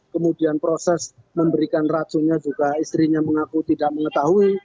kemudian proses memberikan racunnya juga istrinya mengaku tidak mengetahui